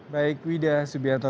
baik widah subianto